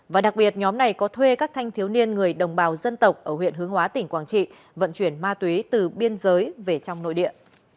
và đặc biệt nhóm này có thuê các thanh thiếu niên người đồng bào dân tộc ở huyện hướng hóa tỉnh quảng trị vận chuyển ma túy từ biên giới về trong nội địa